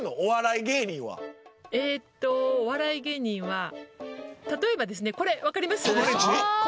「えっとお笑い芸人は例えばですねこれ分かります？」。